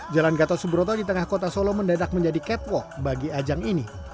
jalan gatot subroto di tengah kota solo mendadak menjadi catwalk bagi ajang ini